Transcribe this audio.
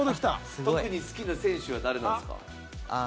特に好きな選手は誰ですか？